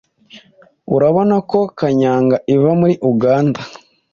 Urabona ko kanyanga iva muri Uganda,